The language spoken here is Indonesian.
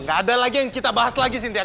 gak ada lagi yang kita bahas lagi sintia